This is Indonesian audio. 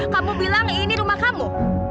kamu bilang ini rumah kamu